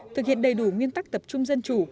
thực hiện đầy đủ nguyên tắc tập trung dân chủ